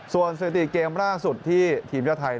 ส่วนสถิติเกมล่าสุดที่ทีมชาติไทย